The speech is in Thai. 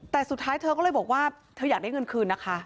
แต่สุดท้ายเธอก็เลยบอกว่าเธออยากได้เงินคืนนะคะ